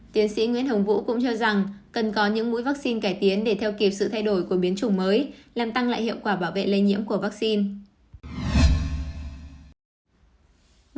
tiến sĩ nguyễn hồng vũ cũng cho rằng cần có những mũi vaccine cải tiến để theo kịp sự thay đổi của biến chủng mới làm tăng lại hiệu quả bảo vệ lây nhiễm của vaccine